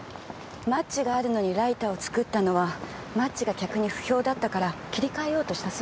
マッチがあるのにライターを作ったのはマッチが客に不評だったから切り替えようとしたそうです。